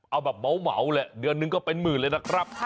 เอาแบบเหมาเลยเดือนหนึ่งก็เป็นหมื่นเลยนะครับ